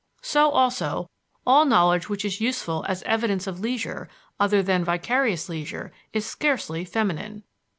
So, also, all knowledge which is useful as evidence of leisure, other than vicarious leisure, is scarcely feminine.